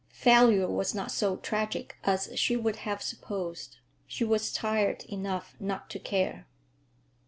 Failure was not so tragic as she would have supposed; she was tired enough not to care.